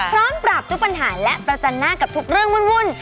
พร้อมปรับทุกปัญหาและประจันหน้ากับทุกเรื่องวุ่น